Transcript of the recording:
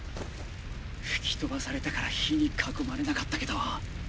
吹き飛ばされたから火に囲まれなかったけど。